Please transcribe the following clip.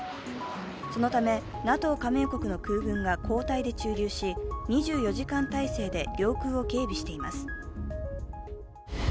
そのため、ＮＡＴＯ加盟国の空軍が交代で駐留し、２４時間態勢で領空を警備しています。